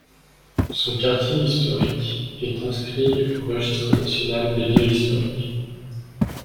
Son quartier historique est inscrit au Registre national des lieux historiques.